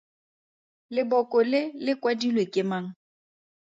Leboko le le kwadilwe ke mang?